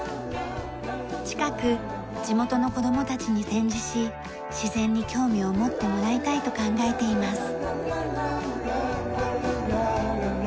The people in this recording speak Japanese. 近く地元の子供たちに展示し自然に興味を持ってもらいたいと考えています。